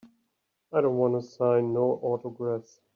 I don't wanta sign no autographs.